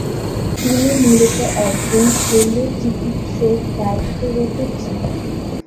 তিনি মূলত একজন শল্যচিকিৎসক দায়িত্বরত ছিলেন।